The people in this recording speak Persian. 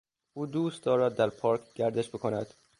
او دوست دارد در پارک گردش بکند.